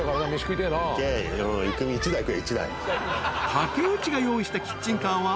［竹内が用意したキッチンカーは］